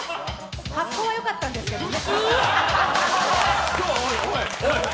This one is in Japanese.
格好はよかったんですけどね。